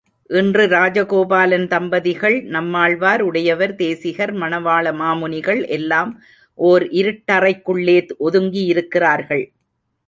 இன்று ராஜகோபாலன் தம்பதிகள், நம்மாழ்வார், உடையவர், தேசிகர், மணவாள மாமுனிகள் எல்லாம் ஓர் இருட்டறைக்குள்ளே ஒதுங்கியிருக்கிறார்கள்.